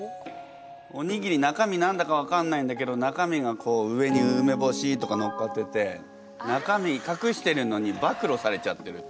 おにぎり中身何だか分かんないんだけど中身がこう上に梅干しとかのっかってて中身かくしてるのに暴露されちゃってる。